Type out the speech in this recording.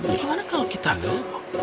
bagaimana kalau kita gak